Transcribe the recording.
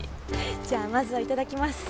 じゃあまずは頂きます！